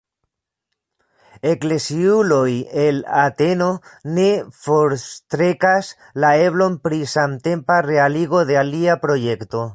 Ekleziuloj el Ateno ne forstrekas la eblon pri samtempa realigo de alia projekto.